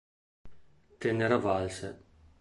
Tenera Valse